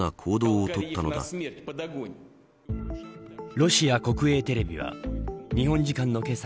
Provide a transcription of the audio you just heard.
ロシア国営テレビは日本時間のけさ